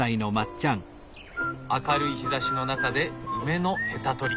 明るい日ざしの中で梅のヘタ取り。